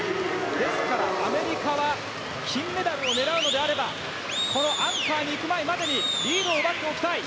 ですから、アメリカは金メダルを狙うのであればこのアンカーに行く前までにリードを奪っておきたい。